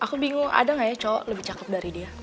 aku bingung ada gak ya cowok lebih cakep dari dia